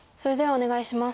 お願いします。